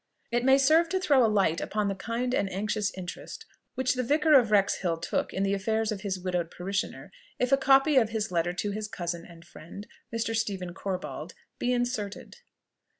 It may serve to throw a light upon the kind and anxious interest which the Vicar of Wrexhill took in the affairs of his widowed parishioner, if a copy of his letter to his cousin and friend Mr. Stephen Corbold be inserted.